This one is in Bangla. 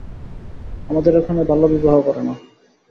আমাদের ওখানে বাল্যবিবাহ করে না।